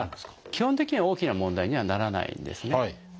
基本的には大きな問題にはならないんですね。